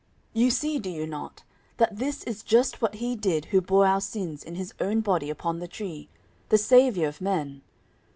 You see, do you not, that this is just what He did who bore our sins in His own body upon the tree the Saviour of men?